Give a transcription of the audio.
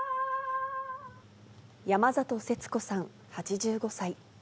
山里節子さん８５歳。